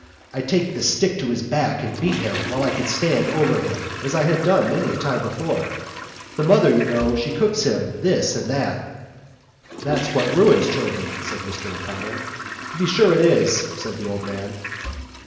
I'd take the stick to his back and beat him while I could stand over him—as I done many a time before. The mother, you know, she cocks him up with this and that...." "That's what ruins children," said Mr O'Connor. "To be sure it is," said the old man.